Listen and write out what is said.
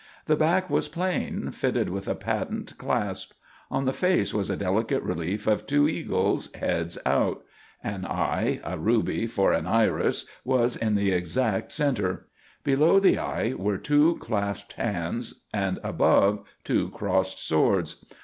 The back was plain, fitted with a patent clasp. On the face was a delicate relief of two eagles, heads out. An eye, a ruby for an iris, was in the exact centre. Below the eye were two clasped hands and above, two crossed swords.